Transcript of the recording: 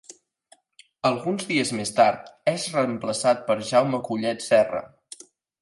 Alguns dies més tard, és reemplaçat per Jaume Collet-Serra.